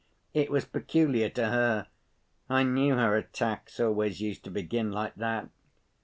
It was peculiar to her. I knew her attacks always used to begin like that.